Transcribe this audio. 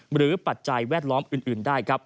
หรือปัจจัยแวดล้อมอื่นได้